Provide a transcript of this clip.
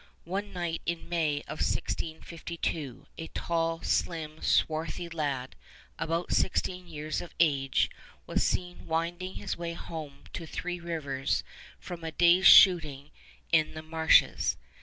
One night in May of 1652 a tall, slim, swarthy lad about sixteen years of age was seen winding his way home to Three Rivers from a day's shooting in the marshes.